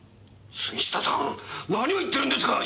杉下さん何を言ってるんですか！？